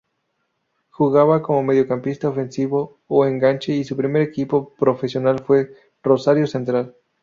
Jugaba como mediocampista ofensivo o enganche y su primer equipo profesional fue Rosario Central.